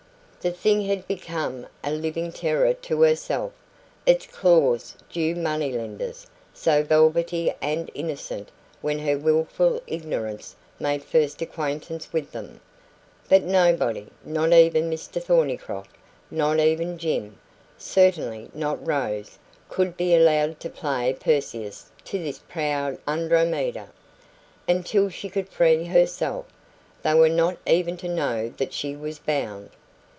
The thing had become a living terror to herself its claws Jew money lenders, so velvety and innocent when her wilful ignorance made first acquaintance with them; but nobody not even Mr Thornycroft, not even Jim, CERTAINLY not Rose could be allowed to play Perseus to this proud Andromeda. Until she could free herself, they were not even to know that she was bound.